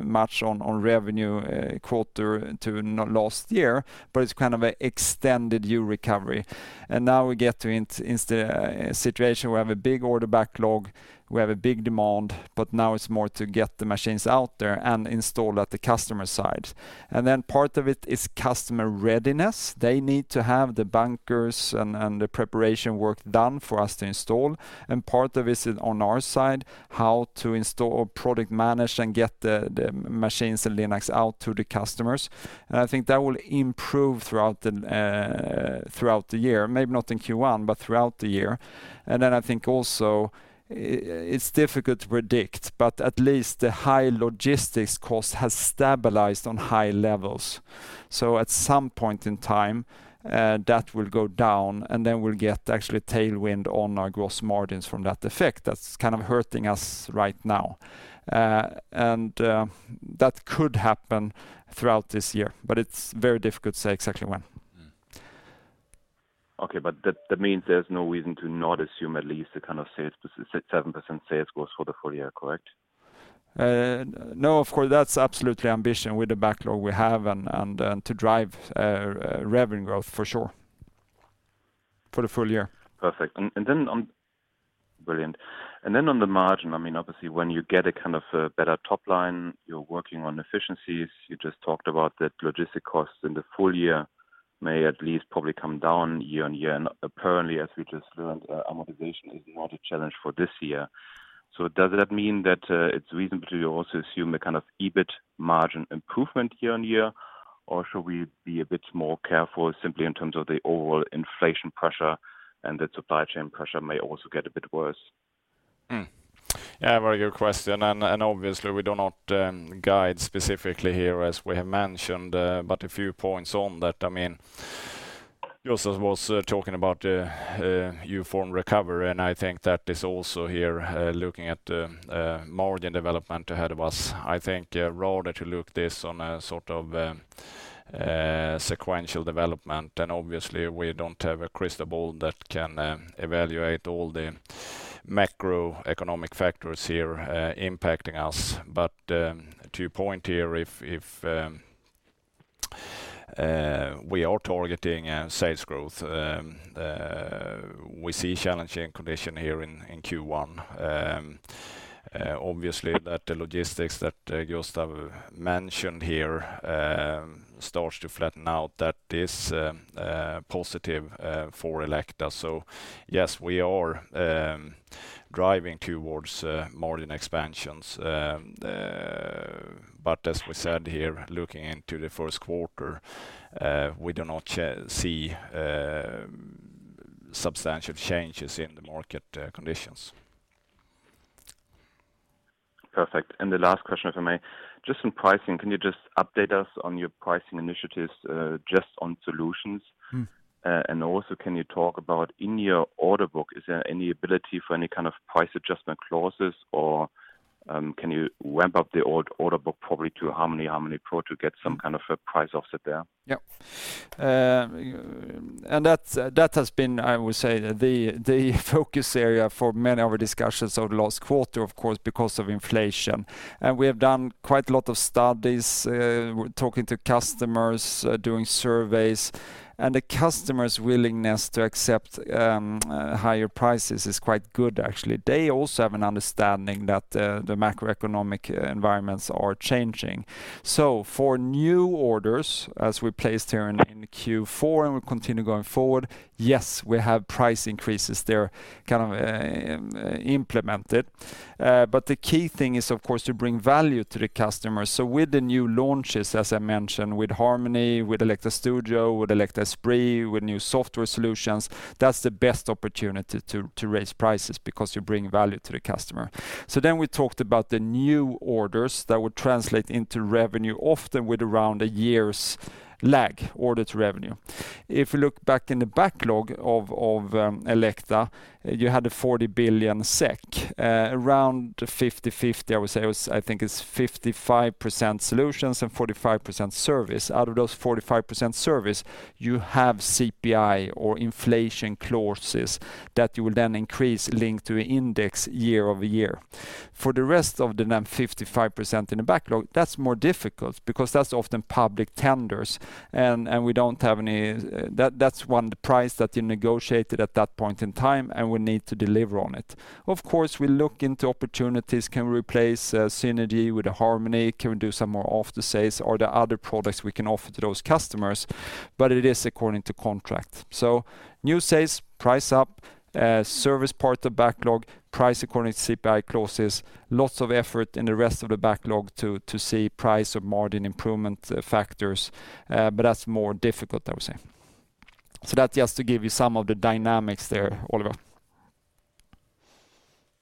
much on revenue quarter-on-quarter last year, but it's kind of a extended U-recovery. Now we get to installation situation, we have a big order backlog, we have a big demand, but now it's more to get the machines out there and installed at the customer side. Then part of it is customer readiness. They need to have the bunkers and the preparation work done for us to install. Part of it is on our side, how to install, product manage, and get the machines and Linacs out to the customers. I think that will improve throughout the year. Maybe not in Q1, but throughout the year. Then I think also it's difficult to predict, but at least the high logistics cost has stabilized on high levels. At some point in time, that will go down, and then we'll get actually tailwind on our gross margins from that effect that's kind of hurting us right now. That could happen throughout this year, but it's very difficult to say exactly when. Okay, that means there's no reason to not assume at least a kind of sales, 7% sales growth for the full year, correct? No, of course, that's absolutely ambitious with the backlog we have and to drive revenue growth for sure for the full year. On the margin, I mean, obviously when you get a kind of a better top line, you're working on efficiencies. You just talked about that logistics costs in the full year may at least probably come down year-over-year. Apparently, as we just learned, amortization is not a challenge for this year. Does that mean that it's reasonable to also assume a kind of EBIT margin improvement year-over-year, or should we be a bit more careful simply in terms of the overall inflation pressure and the supply chain pressure may also get a bit worse? Hmm. Yeah, very good question. Obviously we do not guide specifically here as we have mentioned. A few points on that. I mean, Gustaf was talking about the U-form recovery, and I think that is also here looking at the margin development ahead of us. I think rather to look this on a sort of sequential development. Obviously we don't have a crystal ball that can evaluate all the macroeconomic factors here impacting us. To your point here, if we are targeting sales growth, we see challenging condition here in Q1. Obviously that the logistics that Gustaf mentioned here starts to flatten out, that is positive for Elekta. Yes, we are driving towards margin expansions. As we said here, looking into the first quarter, we do not see substantial changes in the market conditions. Perfect. The last question, if I may. Just on pricing, can you just update us on your pricing initiatives, just on solutions? Hmm. Can you talk about in your order book, is there any ability for any kind of price adjustment clauses or, can you ramp up the order book probably to Harmony Pro to get some kind of a price offset there? Yeah. That's been, I would say, the focus area for many of our discussions over the last quarter, of course, because of inflation. We have done quite a lot of studies, talking to customers, doing surveys, and the customers' willingness to accept higher prices is quite good actually. They also have an understanding that the macroeconomic environments are changing. For new orders, as we placed here in Q4 and we continue going forward, yes, we have price increases. They're kind of implemented. The key thing is, of course, to bring value to the customer. With the new launches, as I mentioned, with Harmony, with Elekta Studio, with Elekta Esprit, with new software solutions, that's the best opportunity to raise prices because you bring value to the customer. We talked about the new orders that would translate into revenue, often with around a year's lag order to revenue. If you look back in the backlog of Elekta, you had 40 billion SEK, around 50-50, I would say. It was, I think, 55% solutions and 45% service. Out of those 45% service, you have CPI or inflation clauses that you will then increase linked to index year over year. For the rest of the 95% in the backlog, that's more difficult because that's often public tenders and we don't have any. That's one price that you negotiated at that point in time, and we need to deliver on it. Of course, we look into opportunities. Can we replace Synergy with the Harmony? Can we do some more after sales? Are there other products we can offer to those customers? It is according to contract. New sales, price up. Service part of backlog, price according to CPI clauses. Lots of effort in the rest of the backlog to see price or margin improvement factors, but that's more difficult, I would say. That's just to give you some of the dynamics there, Oliver.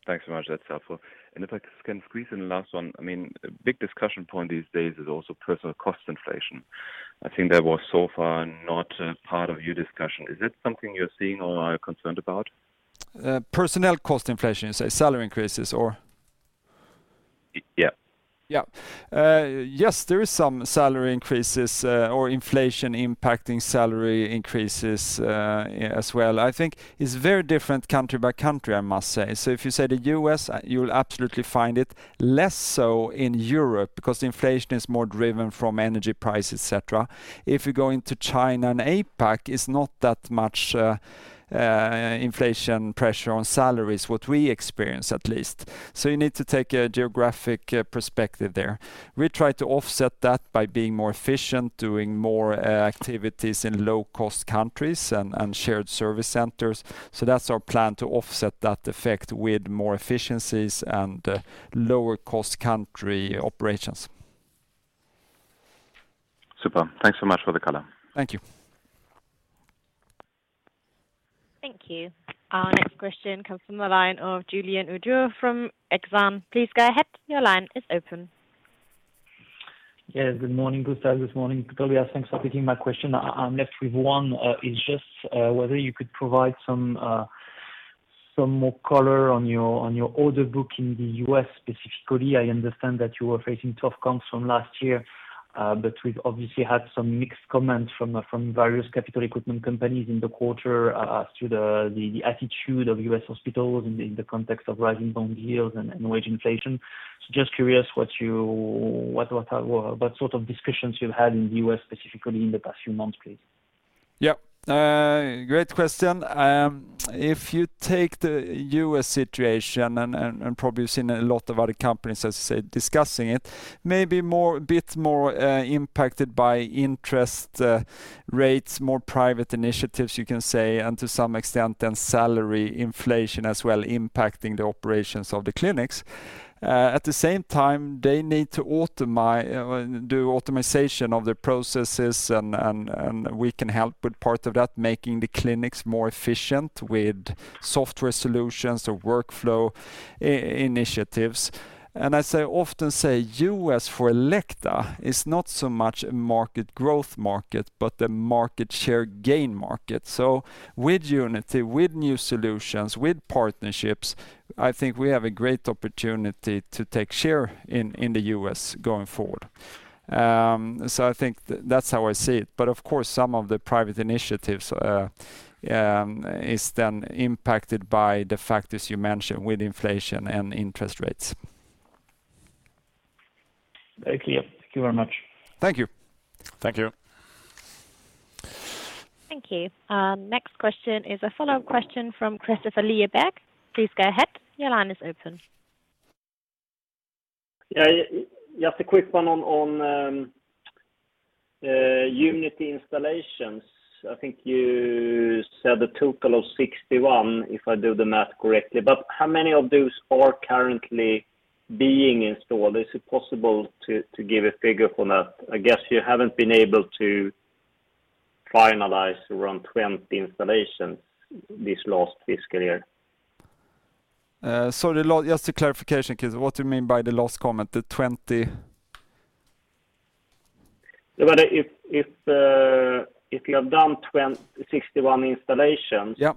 Thanks so much. That's helpful. If I can squeeze in the last one, I mean, a big discussion point these days is also personnel cost inflation. I think that was so far not part of your discussion. Is that something you're seeing or are concerned about? Personnel cost inflation, you say, salary increases or? Y-yeah. Yeah. Yes, there is some salary increases, or inflation impacting salary increases, as well. I think it's very different country by country, I must say. If you say the U.S., you'll absolutely find it less so in Europe because inflation is more driven from energy prices, et cetera. If you're going to China and APAC, it's not that much, inflation pressure on salaries, what we experience at least. You need to take a geographic perspective there. We try to offset that by being more efficient, doing more activities in low cost countries and shared service centers. That's our plan to offset that effect with more efficiencies and lower cost country operations. Super. Thanks so much for the color. Thank you. Thank you. Our next question comes from the line of Julien Dormois from Exane. Please go ahead. Your line is open. Yes. Good morning, Gustaf. Good morning, Tobias. Thanks for taking my question. I'm left with one, which is just whether you could provide some more color on your order book in the U.S. specifically. I understand that you were facing tough comps from last year, but we've obviously had some mixed comments from various capital equipment companies in the quarter as to the attitude of U.S. hospitals in the context of rising bond yields and wage inflation. Just curious what sort of discussions you've had in the U.S. specifically in the past few months, please. Great question. If you take the U.S. situation and probably you've seen a lot of other companies, as you say, discussing it, maybe more, a bit more impacted by interest rates, more private initiatives, you can say, and to some extent then salary inflation as well impacting the operations of the clinics. At the same time, they need to do automation of their processes and we can help with part of that, making the clinics more efficient with software solutions or workflow initiatives. As I often say, U.S. for Elekta is not so much a market growth market, but the market share gain market. With Unity, with new solutions, with partnerships, I think we have a great opportunity to take share in the U.S. going forward. I think that's how I see it. Of course, some of the private initiatives is then impacted by the factors you mentioned with inflation and interest rates. Very clear. Thank you very much. Thank you. Thank you. Thank you. Our next question is a follow-up question from Kristofer Liljeberg. Please go ahead. Your line is open. Yeah. Just a quick one on Unity installations. I think you said a total of 61, if I do the math correctly. How many of those are currently being installed? Is it possible to give a figure for that? I guess you haven't been able to finalize around 20 installations this last fiscal year. Sorry, just a clarification, Kris, what do you mean by the last comment, the 20? if you have done 61 installations- Yep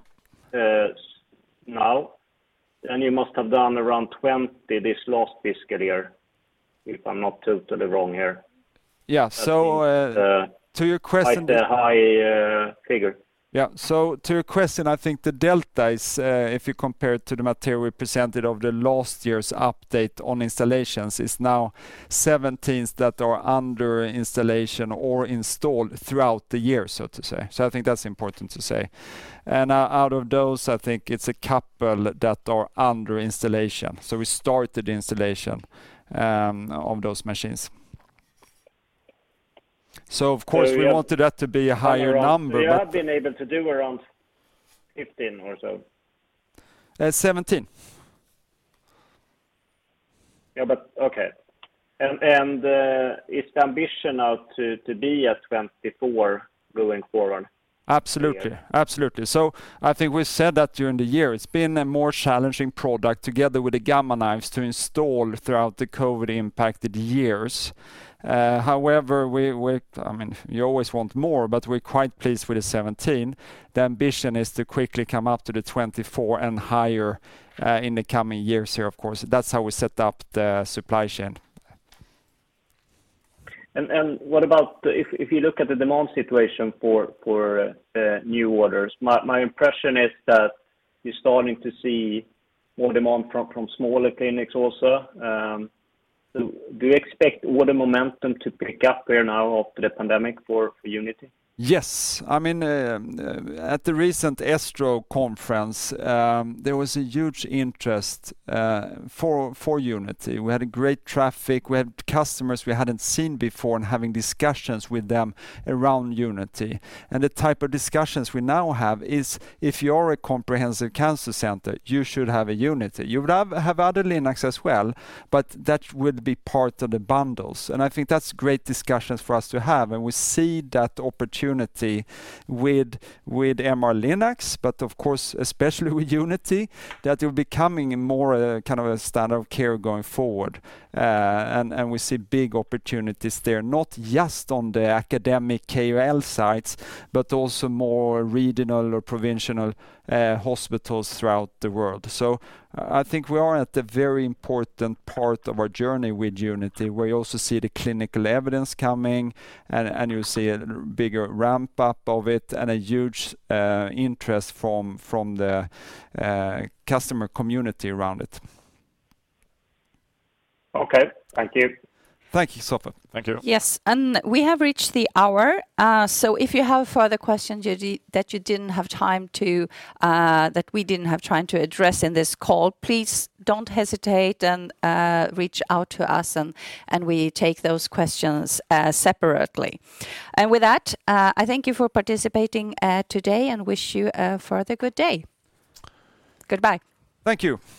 now, you must have done around 20 this last fiscal year, if I'm not totally wrong here. Yeah. I think. To your question. Quite a high figure. Yeah. To your question, I think the delta is, if you compare it to the material we presented of the last year's update on installations, is now 17s that are under installation or installed throughout the year, so to say. I think that's important to say. Out of those, I think it's a couple that are under installation. We started installation of those machines. Of course, we wanted that to be a higher number, but- You have been able to do around 15 or so? 17. Is the ambition now to be at 24 going forward? Absolutely. I think we said that during the year. It's been a more challenging product together with the Gamma Knives to install throughout the COVID-impacted years. However, I mean, you always want more, but we're quite pleased with the 17. The ambition is to quickly come up to the 24 and higher in the coming years here, of course. That's how we set up the supply chain. What about if you look at the demand situation for new orders? My impression is that you're starting to see more demand from smaller clinics also. Do you expect order momentum to pick up there now after the pandemic for Unity? Yes. I mean, at the recent ASTRO conference, there was a huge interest for Unity. We had great traffic. We had customers we hadn't seen before and having discussions with them around Unity. The type of discussions we now have is if you're a comprehensive cancer center, you should have a Unity. You would have other Linacs as well, but that would be part of the bundles. I think that's great discussions for us to have. We see that opportunity with MR-Linac, but of course, especially with Unity, that you're becoming more kind of a standard of care going forward. We see big opportunities there, not just on the academic KOL sites, but also more regional or provincial hospitals throughout the world. I think we are at the very important part of our journey with Unity. We also see the clinical evidence coming and you see a bigger ramp-up of it and a huge interest from the customer community around it. Okay. Thank you. Thank you, Kristofer. Thank you. Yes. We have reached the hour. If you have further questions that we didn't have time to address in this call, please don't hesitate and reach out to us and we take those questions separately. With that, I thank you for participating today and wish you a further good day. Goodbye. Thank you.